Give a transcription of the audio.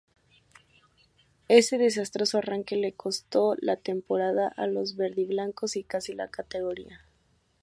Ese desastroso arranque le costó la temporada a los verdiblancos y casi la categoría.